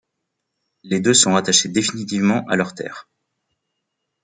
Les deux sont rattachés définitivement à leurs terres.